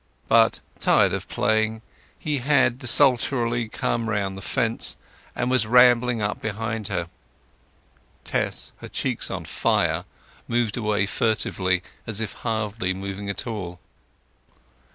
But, tired of playing, he had desultorily come round the fence, and was rambling up behind her. Tess, her cheeks on fire, moved away furtively, as if hardly moving at all.